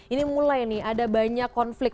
ini mulai nih ada banyak konflik